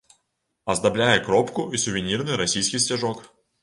Аздабляе кропку і сувенірны расійскі сцяжок.